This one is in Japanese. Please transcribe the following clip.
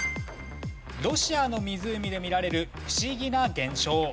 ロシアの湖で見られる不思議な現象。